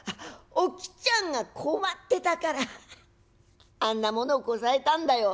おきっちゃんが困ってたからあんなものをこさえたんだよ。